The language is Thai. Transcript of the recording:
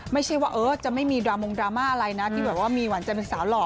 ไม่ใช่ว่าจะไม่มีดรามงดราม่าอะไรนะที่แบบว่ามีหวานใจเป็นสาวหล่อ